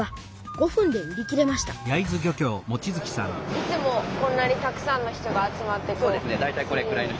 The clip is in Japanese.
いつもこんなにたくさんの人が集まって。